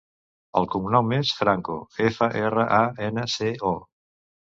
El cognom és Franco: efa, erra, a, ena, ce, o.